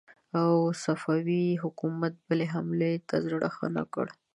او صفوي حکومت بلې حملې ته زړه ښه نه کړ.